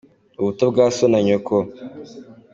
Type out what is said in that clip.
Ubuto bwa so na nyoko.